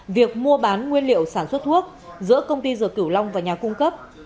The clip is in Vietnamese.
việc mua bán nguyên liệu sản xuất thuốc giữa công ty dược cửu long và nhà cung cấp